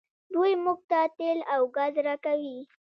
دوی موږ ته تیل او ګاز راکوي.